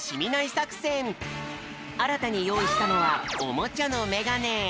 あらたによういしたのはおもちゃのメガネ。